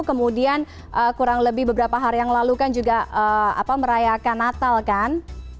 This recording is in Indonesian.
kemudian kurang lebih beberapa hari yang lalu kan juga merayakan natal kan